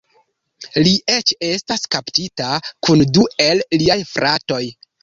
Li eĉ estas kaptita kun du el liaj fratoj.